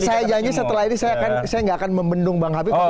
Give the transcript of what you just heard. saya janji setelah ini saya nggak akan membendung bang habib